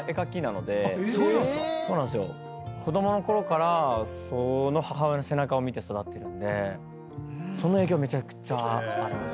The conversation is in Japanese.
そうなんすか⁉子供のころからその母親の背中を見て育ってるんでその影響めちゃくちゃあります。